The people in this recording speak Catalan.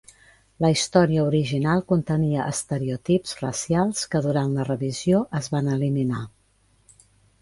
La història original contenia estereotips racials que durant la revisió es van eliminar.